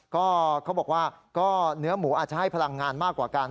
ก็เขาบอกว่าก็เนื้อหมูอาจจะให้พลังงานมากกว่ากัน